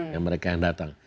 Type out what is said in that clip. yang mereka yang datang